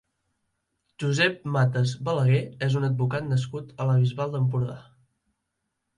Josep Matas Balaguer és un advocat nascut a la Bisbal d'Empordà.